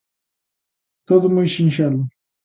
Todo moi sinxelo.